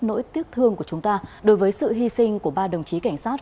nỗi tiếc thương của chúng ta đối với sự hy sinh của ba đồng chí cảnh sát